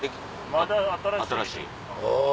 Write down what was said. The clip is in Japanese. まだ新しい。